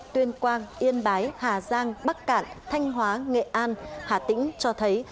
tuyên quang yên bái hà giang bắc cạn thanh hóa nghệ an hà tĩnh cho thấy